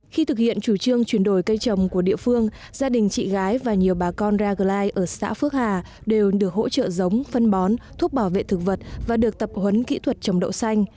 khi thực hiện chủ trương chuyển đổi cây trồng của địa phương gia đình chị gái và nhiều bà con raglai ở xã phước hà đều được hỗ trợ giống phân bón thuốc bảo vệ thực vật và được tập huấn kỹ thuật trồng đậu xanh